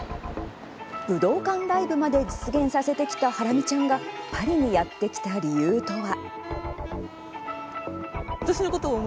武道館ライブまで実現させてきたハラミちゃんがパリにやって来た理由とは？